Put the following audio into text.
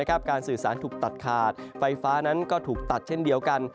การสื่อสารถูกตัดขาดไฟฟ้านั้นก็ถูกตัดเช่นเดียวกัน